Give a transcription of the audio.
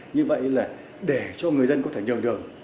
như vậy là để cho người dân có thể nhường đường